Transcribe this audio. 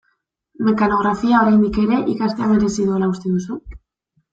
Mekanografia, oraindik ere, ikastea merezi duela uste duzu?